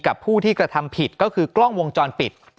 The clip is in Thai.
ผู้ที่กระทำผิดก็คือกล้องวงจรปิด